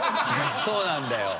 そうなんだよ。